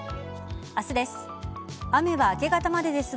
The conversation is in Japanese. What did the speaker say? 明日です。